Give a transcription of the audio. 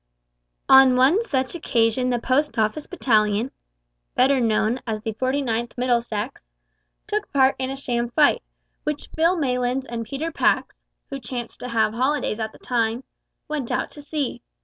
On one such occasion the Post Office battalion (better known as the 49th Middlesex) took part in a sham fight, which Phil Maylands and Peter Pax (who chanced to have holidays at the time) went out to see.